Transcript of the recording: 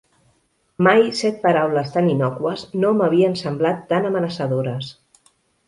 Mai set paraules tan innòcues no m'havien semblat tan amenaçadores.